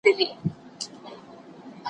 موږ هره ورځ د سياست په اړه نوي شيان اورو.